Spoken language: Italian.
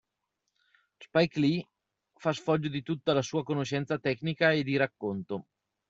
Spike Lee fa sfoggio di tutta la sua conoscenza tecnica e di racconto.